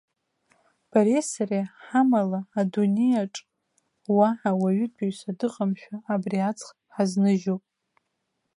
Бареи сареи ҳамала, адунеиаҿ уаҳа уаҩытәыҩса дыҟамшәа, абри аҵх ҳазныжьуп.